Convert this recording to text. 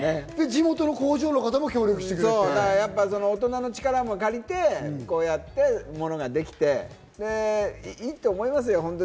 地元の工場の方も協力してく大人の力も借りて、こういったものができていいと思いますよ。